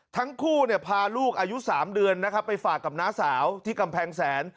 ทั้งคู่พาลูกอายุ๓เดือนไปฝากกับนางสาวที่กำแพงแสน